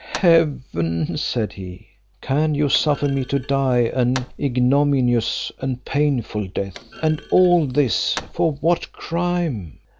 "Heaven!" said he, "can you suffer me to die an ignominious and painful death? And all this, for what crime?